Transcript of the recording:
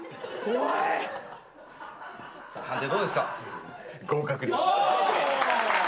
判定どうですか？